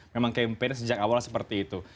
memang campaign sejak awal seperti itu